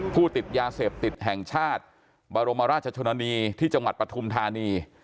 ติดยาเสพติดแห่งชาติบรมราชชนนีที่จังหวัดปฐุมธานี